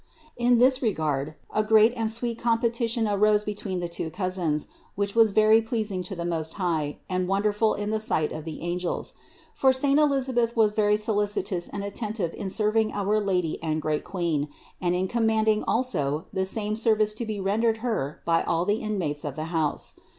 234. In this regard a great and sweet competition arose between the two cousins, which was very pleasing to the Most High and wonderful in the sight of the angels; for saint Elisabeth was very solicitous and at tentive in serving our Lady and great Queen, and in commanding also the same service to be rendered Her by all the inmates of the house.